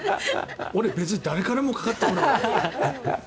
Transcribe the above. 俺、別に誰からもかかってこない。